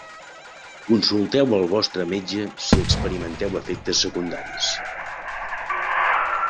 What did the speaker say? Consulteu el vostre metge si experimenteu efectes secundaris.